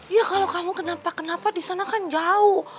iya kalau kamu kenapa kenapa di sana kan jauh